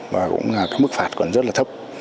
và cũng là mức phạt còn rất là thấp